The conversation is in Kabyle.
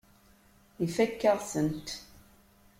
Ifakk-aɣ-tent.